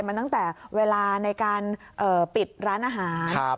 มันตั้งแต่เวลาในการปิดร้านอาหาร